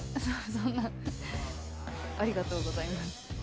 そんなありがとうございます。